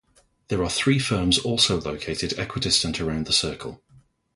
There are three firms also located equidistant around the circle.